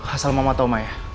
asal mama tau ma ya